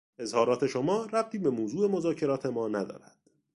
اظهارات شما ربطی به موضوع مذاکرات ما ندارد.